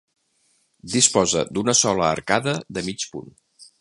Disposa d'una sola arcada de mig punt.